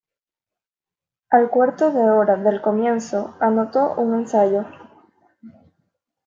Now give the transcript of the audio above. Al cuarto de hora del comienzo, anotó un ensayo.